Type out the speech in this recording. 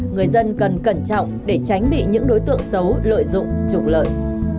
người dân cần cẩn trọng để tránh bị những đối tượng xấu lợi dụng trục lợi